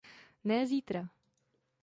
Ne zítra.